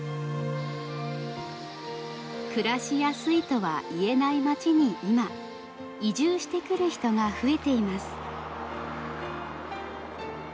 暮らしやすいとはいえない町に今移住してくる人が増えています。